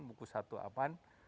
buku satu aman